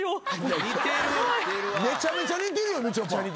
めちゃめちゃ似てるよみ